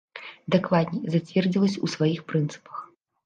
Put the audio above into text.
Дакладней, зацвердзілася ў сваіх прынцыпах.